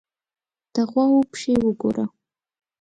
_د غواوو پښې وګوره!